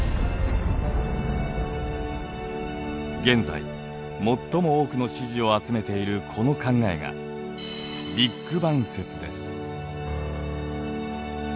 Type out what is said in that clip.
現在最も多くの支持を集めているこの考えがビッグバン説です。